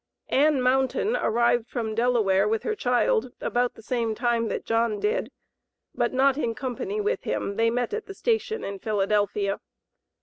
Ann Mountain arrived from Delaware with her child about the same time that John did, but not in company with him; they met at the station in Philadelphia.